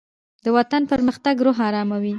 دوطن پرمختګ روح آراموي